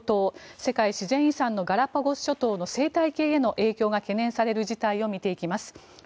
世界自然遺産のガラパゴス諸島の生態系への影響が懸念される事態を見ていきます。